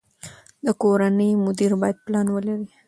د کورنۍ مدیر باید پلان ولري.